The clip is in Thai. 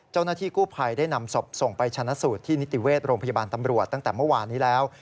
เจ้าหน้าที่กู้ภัยได้นำศพส่งไปชนะสูตรที่นิติเวชโรงพยาบาลตำรวจตั้งแต่เมื่อวานนี้แล้ว